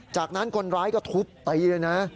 จากนั้นคนร้ายก็ทุบตีเลยนะ